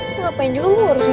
ngapain juga lo harus begini